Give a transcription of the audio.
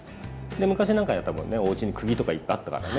昔なんかだと多分ねおうちにくぎとかいっぱいあったからね。